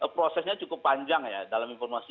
prosesnya cukup panjang ya dalam informasi